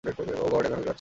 ওহ god এখানেও কেউ আছে?